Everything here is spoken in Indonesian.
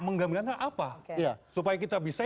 mengembalikan hak apa supaya kita bisa